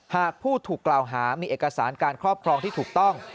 หากผู้ถูกกล่าวหามีเอกสารการครอบครองที่ถูกต้อง